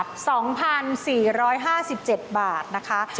๒๔๕๗บาทนะคะ